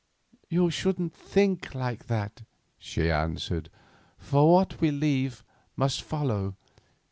"You shouldn't think like that," she answered, "for what we leave must follow.